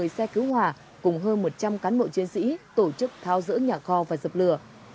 một mươi xe cứu hòa cùng hơn một trăm linh cán bộ chuyên sĩ tổ chức thao dỡ nhà kho và dập lửa